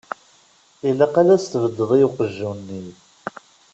Ilaq ad s-tbeddeḍ i uqjun-nni.